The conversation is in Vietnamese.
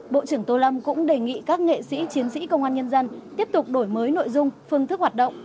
bộ trưởng tô lâm cũng đề nghị các nghệ sĩ chiến sĩ công an nhân dân tiếp tục đổi mới nội dung phương thức hoạt động